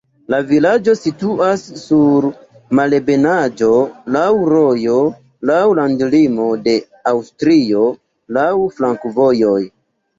La vilaĝo situas sur malebenaĵo, laŭ rojo, laŭ landlimo de Aŭstrio, laŭ flankovojoj.